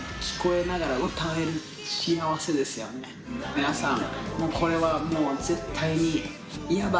皆さん。